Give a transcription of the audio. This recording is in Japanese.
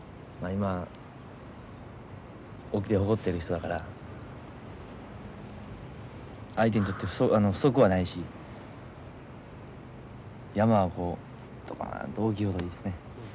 今隠岐でほこってる人だから相手にとって不足はないし山はこうドカンと大きいほどいいですね。